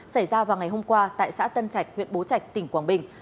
xảy ra vào ngày hôm qua tại xã tân trạch huyện bố trạch tỉnh quảng bình